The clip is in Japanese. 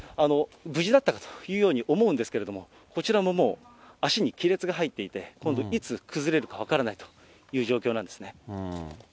無事だったのかというふうに思うんですけれども、こちらももう足に亀裂が入っていて、今度、いつ崩れるか分からないという状況なんですね。